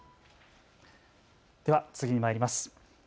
では次にまいります。